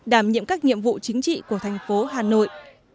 đảm nhiệm các nhiệm vụ chính trị của thành phố hà nội